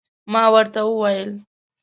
ما ورته وویل